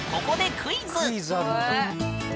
クイズあるんだ。